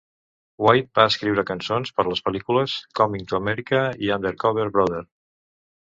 White va escriure cançons per les pel·lícules "Coming to America" i "Undercover Brother".